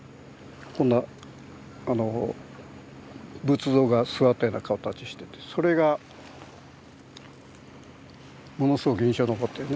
こんな仏像が座ったような形しててそれがものすごく印象に残ってるね。